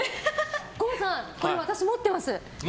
郷さん、これ私、持ってます。